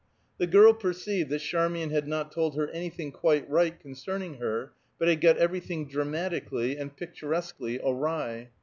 The girl perceived that Charmian had not told her anything quite right concerning her, but had got everything dramatically and picturesquely awry.